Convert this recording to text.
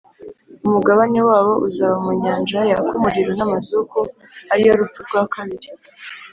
umugabane wabo uzaba mu nyanja yaka umuriro n’amazuku ari yo rupfu rwa kabiri.